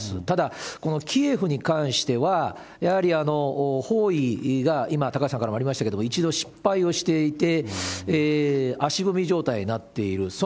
ただ、このキエフに関しては、やはり包囲が、今、高橋さんからもありましたけど、一度失敗をしていて、足踏み状態になっている。